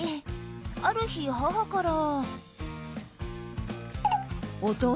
ある日、母から。